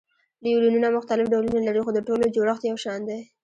نیورونونه مختلف ډولونه لري خو د ټولو جوړښت یو شان دی.